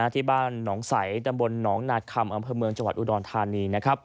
ที่บ้านหนองใสตำบลหนองนาคำอำเภอเมืองจังหวัดอุดรธานี